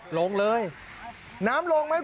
ว่าท่านเป็นส่วนหนึ่งในการที่ทำให้น้ำไม่ลงท่อแบบนี้